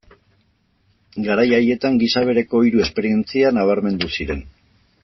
Garai haietan gisa bereko hiru esperientzia nabarmendu ziren.